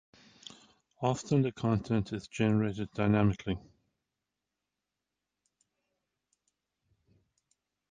Often, the content is generated dynamically.